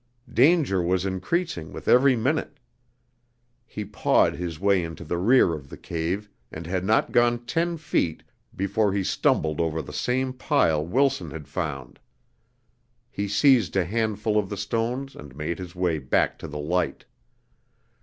Danger was increasing with every minute. He pawed his way into the rear of the cave and had not gone ten feet before he stumbled over the same pile Wilson had found. He seized a handful of the stones and made his way back to the light.